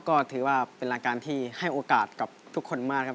ก็ถือว่าเป็นรายการที่ให้โอกาสกับทุกคนมากครับ